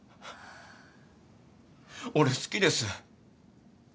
俺好きです。